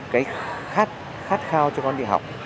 cái khát khao cho con đi học